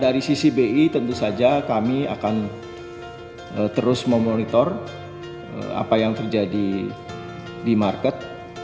dari sisi bi tentu saja kami akan terus memonitor apa yang terjadi di market